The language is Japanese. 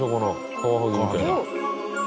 カワハギみたいな。